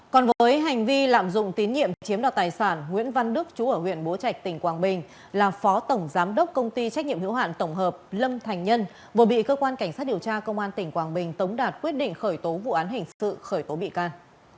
còn với hành vi lạm dụng tín nhiệm chiếm đoạt tài sản nguyễn văn đức chú ở huyện bố trạch tỉnh quảng bình là phó tổng giám đốc công ty trách nhiệm hiệu hạn tổng hợp lâm thành nhân vừa bị cơ quan cảnh sát điều tra công an tỉnh quảng bình tống đạt quyết định khởi tố vụ án hình sự khởi tố bị can